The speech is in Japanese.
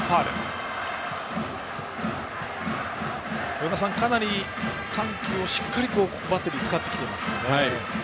与田さん、かなり緩急をしっかりバッテリー使ってきていますね。